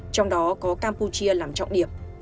trong đó có campuchia land